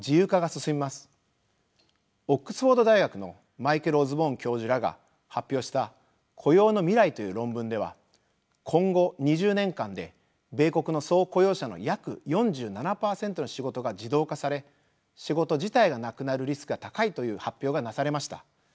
オックスフォード大学のマイケル・オズボーン教授らが発表した「雇用の未来」という論文では今後２０年間で米国の総雇用者の約４７％の仕事が自動化され仕事自体がなくなるリスクが高いという発表がなされました。